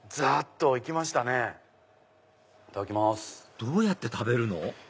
どうやって食べるの？